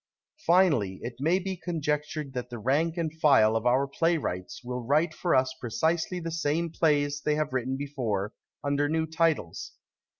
Finally, it may be conjec tured that the rank and file of our playwrights will ^\Tite for us precisely the same plays they have written before, under new titles.